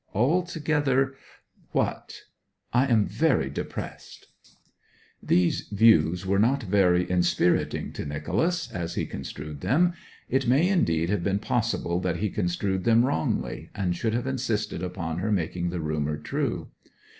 Altogether ' 'What?' 'I am very depressed.' These views were not very inspiriting to Nicholas, as he construed them. It may indeed have been possible that he construed them wrongly, and should have insisted upon her making the rumour true.